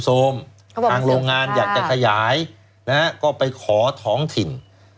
ทางโรงงานอยากจะขยายนะฮะก็ไปขอท้องถิ่น